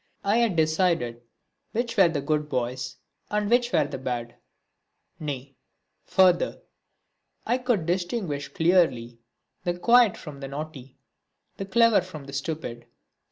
I had decided which were the good boys and which the bad nay, further, I could distinguish clearly the quiet from the naughty, the clever from the stupid.